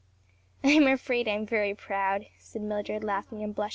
"I'm afraid I'm very proud," said Mildred laughing and blushing.